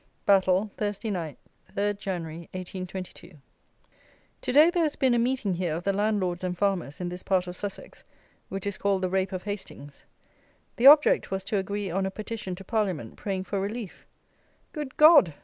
Battle, Thursday (night), 3 Jan. 1822. To day there has been a Meeting here of the landlords and farmers in this part of Sussex, which is called the Rape of Hastings. The object was to agree on a petition to Parliament praying for relief! Good God!